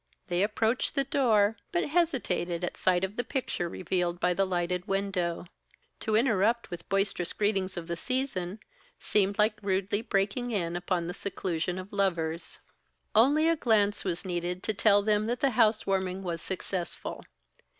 They approached the door, but hesitated at sight of the picture revealed by the lighted window. To interrupt with the boisterous greetings of the season, seemed like rudely breaking in upon the seclusion of lovers. Only a glance was needed to tell them that the house warming was successful.